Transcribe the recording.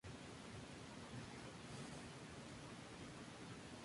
En la actualidad está dirigida por Michael Murphy.